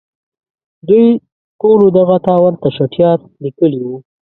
دوی ټولو دغه ته ورته چټیاټ لیکلي وو.